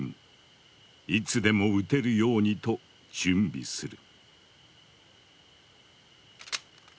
いつでも撃てるようにと準備する。